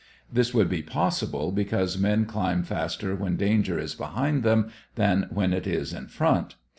This would be possible, because men climb faster when danger is behind them than when it is in front.